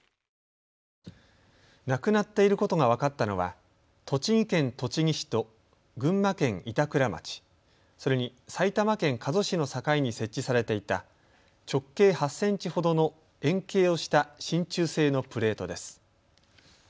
なくなっていることが分かったのは栃木県栃木市と群馬県板倉町、それに埼玉県加須市の境に設置されていた直径８センチほどの円形をしたしんちゅう製のプレートです。